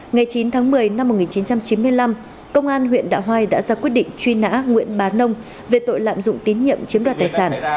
ngày chín tháng một mươi năm một nghìn chín trăm chín mươi năm công an huyện đạ hoai đã ra quyết định truy nã nguyễn bá nông về tội lạm dụng tín nhiệm chiếm đoạt tài sản